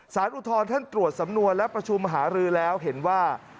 อุทธรณ์ท่านตรวจสำนวนและประชุมหารือแล้วเห็นว่า